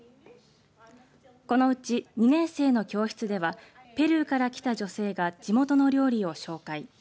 このうち２年生の教室ではペルーから来た女性が地元の料理を紹介。